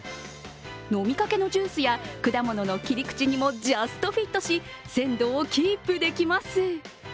飲みかけのジュースや果物の切り口にもジャストフィットし鮮度をキープできます。